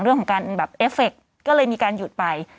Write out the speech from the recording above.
เรื่องของการแบบเอฟเฟคก็เลยมีการหยุดไป